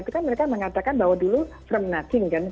itu kan mereka mengatakan bahwa dulu from nothing kan